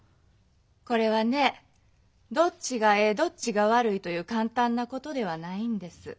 これはねどっちがええどっちが悪いという簡単なことではないんです。